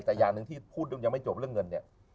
แต่อย่างหนึ่งที่พูดเรื่องยังไม่จบเรื่องเงินเนี่ย